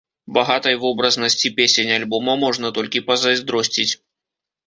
Багатай вобразнасці песень альбома можна толькі пазайздросціць.